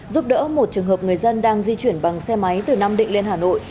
giúp đỡ một trường hợp người dân đang di chuyển bằng xe máy từ nam định lên hà nội